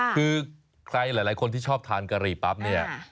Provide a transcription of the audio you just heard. คือใครหลายคนที่ชอบทานกะหรี่ปั๊บเนี่ย